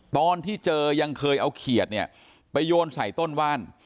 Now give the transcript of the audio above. ตอนที่เจอยังเคยเอาเขียดเนี่ยไปโยนใส่ต้นว่าน